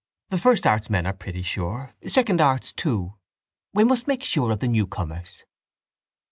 The first arts men are pretty sure. Second arts, too. We must make sure of the newcomers.